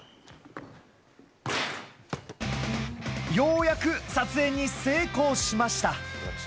ようやく撮影に成功しました。